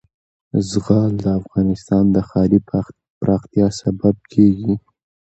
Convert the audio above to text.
زغال د افغانستان د ښاري پراختیا سبب کېږي.